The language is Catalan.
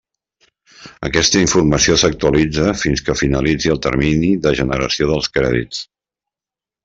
Aquesta informació s'actualitza fins que finalitzi el termini de generació dels crèdits.